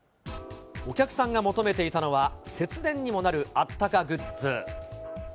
お客さんが求めていたのは、節電にもなるあったかグッズ。